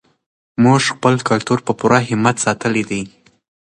موږ خپل کلتور په پوره همت ساتلی دی.